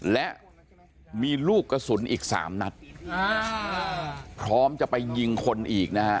และมีลูกกระสุนอีก๓นัทพร้อมจะไปยิงคนอีก